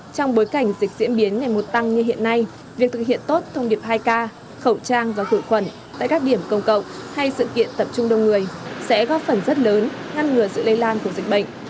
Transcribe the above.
trong bối cảnh dịch diễn biến ngày một tăng như hiện nay việc thực hiện tốt thông điệp hai k khẩu trang và khử khuẩn tại các điểm công cộng hay sự kiện tập trung đông người sẽ góp phần rất lớn ngăn ngừa sự lây lan của dịch bệnh